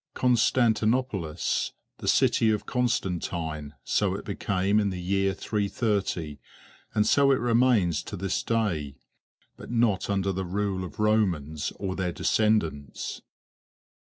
Constantinopolis, the City of Constantine; so it became in the year 330, and so it remains to this day, but not under the rule of Romans or their descendants.